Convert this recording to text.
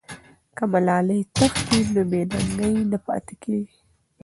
که ملالۍ تښتي، نو بې ننګۍ ته پاتې کېږي.